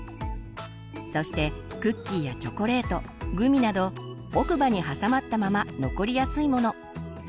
そしてクッキーやチョコレートグミなど奥歯にはさまったまま残りやすいもの。